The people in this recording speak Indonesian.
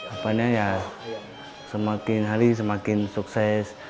apanya ya semakin hari semakin sukses